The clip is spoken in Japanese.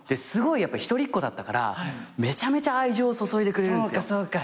やっぱ一人っ子だったからめちゃめちゃ愛情を注いでくれるんすよ。